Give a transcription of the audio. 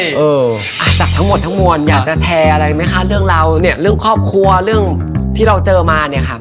เอออ่ะจากทั้งหมดทั้งมวลอยากจะแชร์อะไรไหมคะเรื่องราวเนี่ยเรื่องครอบครัวเรื่องที่เราเจอมาเนี่ยค่ะ